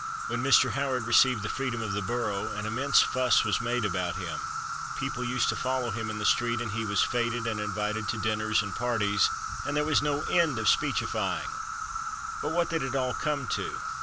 When Mr. Howard received the freedom of the borough an immense fuss was made about him; people used to follow him in the street, and he was feted and invited to dinners and parties; and there was no end of speechifying. But what did it all come to?